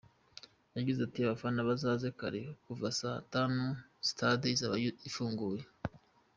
Yagize ati “Abafana bazaze kare, kuva saa tanu stade izaba ifunguye.